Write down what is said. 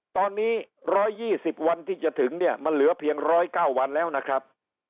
ตอนนี้๑๒๐วันที่จะถึงเนี่ยมันเหลือเพียง๑๐๙วันแล้วนะครับ